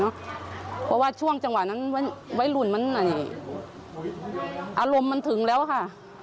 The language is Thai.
เพราะว่าช่วงจังหวะนั้นวัยรุ่นมันอารมณ์มันถึงแล้วค่ะ